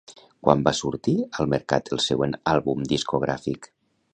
Quan va sortir al mercat el següent àlbum discogràfic?